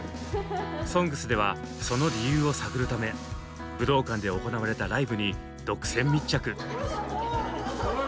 「ＳＯＮＧＳ」ではその理由を探るため武道館で行われたライブに独占密着。